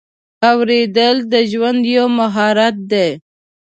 اورېدل د ژوند یو مهارت دی.